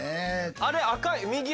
あれ赤い右端は？